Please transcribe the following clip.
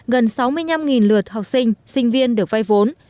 gần sáu mươi năm lượt học sinh sinh viên được vay vốn